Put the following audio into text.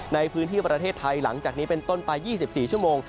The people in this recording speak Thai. ในพื้นที่ประเทศไทยหลังจากนี้เป็นต้นไป๒๔ชั่วโมง